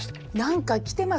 何か来てます